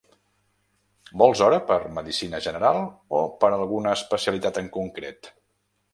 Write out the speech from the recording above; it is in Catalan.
Vols hora per medicina general, o per alguna especialitat en concret?